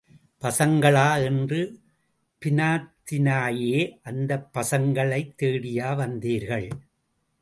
பசங்களா என்று பினாத்தினாயே, அந்தப் பசங்களைத் தேடியா வந்தீர்கள்?